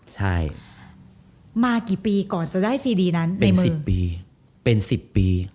ใช่มากี่ปีก่อนจะได้ซีดีนั้นในเมื่อ๑๐ปีเป็น๑๐ปี